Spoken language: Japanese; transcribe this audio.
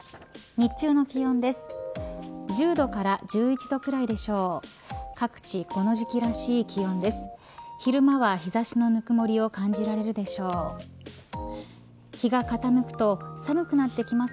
日中の気温です。